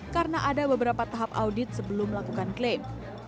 karena ada beberapa tahap audit sebelum melakukan klaim